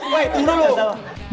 woy turun dong sama